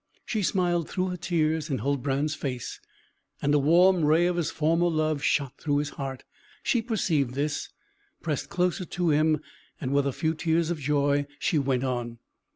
She smiled through her tears in Huldbrand's face, and a warm ray of his former love shot through his heart. She perceived this, pressed closer to him, and with a few tears of joy she went on.